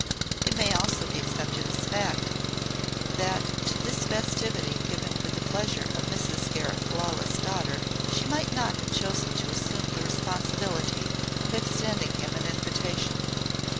It may also be accepted as a fact that to this festivity given for the pleasure of Mrs. Gareth Lawless' daughter, she might not have chosen to assume the responsibility of extending him an invitation.